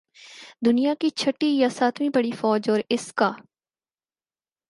دنیا کی چھٹی یا ساتویں بڑی فوج اور اس کا